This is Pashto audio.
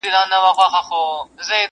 ما له پلاره اورېدلي په کتاب کي مي لیدلي!.